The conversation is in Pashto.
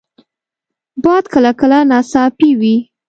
باد کله کله ناڅاپي وي